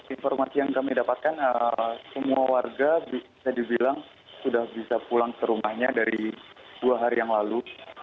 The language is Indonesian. informasi yang kami dapatkan semua warga bisa dibilang sudah bisa pulang ke rumahnya dari dua hari yang lalu